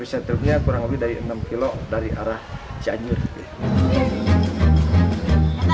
biasa sembilan belas dari tepal melola dari arah cianjur terkandungan bermain touched me